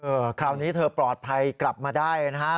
เคลียร์คราวนี้เธอปลอดภัยกลับมาได้นะคะ